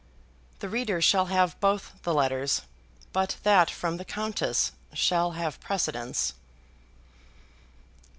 The reader shall have both the letters, but that from the Countess shall have precedence.